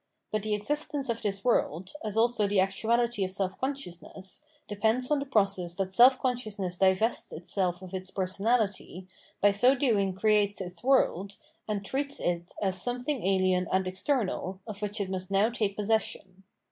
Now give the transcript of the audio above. But the existence of this world, as also the actuality of self consciousness, depends on the process that self con sciousness divests itself of its personality, by so doing creates its world, and treats it as something alien and external, of which it must now take possession.